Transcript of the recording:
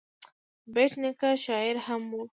بېټ نیکه شاعر هم و.